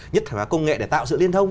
nhất thể hóa công nghệ để tạo sự liên thông